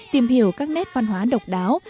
tìm hiểu các nét văn hóa độc đáo